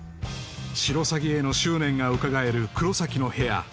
シロサギへの執念がうかがえる黒崎の部屋